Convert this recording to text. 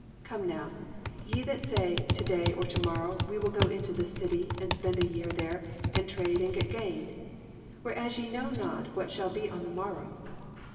(13) Come now, ye that say, to day or to morrow we will go into this city, and spend a year there, and trade, and get gain: (14) Whereas ye know not what shall be on the morrow.